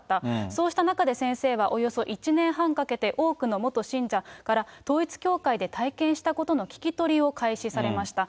そうした中で先生はおよそ１年半かけて、多くの元信者から、統一教会で体験したことの聞き取りを開始されました。